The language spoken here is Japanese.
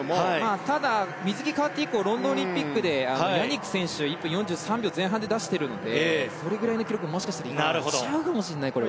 ただ水着が変わって以降ロンドンオリンピックでヤニック選手が１分４３秒前半で出しているのでそれくらいの記録に行っちゃうかもしれない。